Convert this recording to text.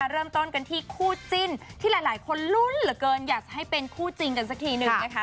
เริ่มต้นกันที่คู่จิ้นที่หลายคนลุ้นเหลือเกินอยากจะให้เป็นคู่จริงกันสักทีหนึ่งนะคะ